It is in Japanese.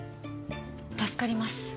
助かります